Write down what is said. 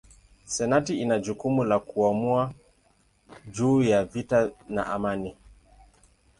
Senati ina jukumu la kuamua juu ya vita na amani.